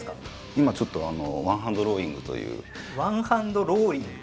今ちょっとワンハンドローイング。